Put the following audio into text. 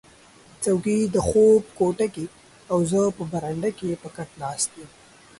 څوکی د خوب کوټه کې او زه په برنډه کې په کټ ناست یم